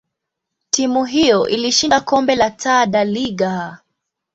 timu hiyo ilishinda kombe la Taa da Liga.